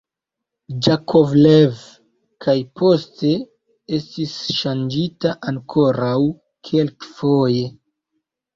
Jakovlev kaj poste estis ŝanĝita ankoraŭ kelkfoje.